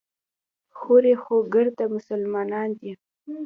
هورې خو ګرده مسلمانان دي.